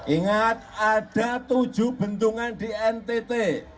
ingat ada tujuh bendungan di ntt